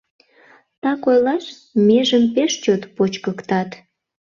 Так ойлаш, межым пеш чот почкыктат.